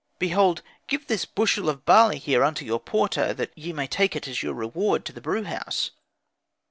Behold, give this bushel of barley here unto your porter, that ye may take it as your reward to the brew house."